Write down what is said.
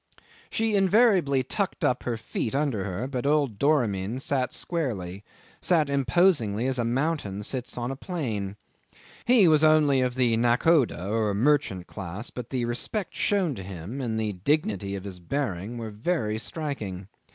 'She invariably tucked up her feet under her, but old Doramin sat squarely, sat imposingly as a mountain sits on a plain. He was only of the nakhoda or merchant class, but the respect shown to him and the dignity of his bearing were very striking.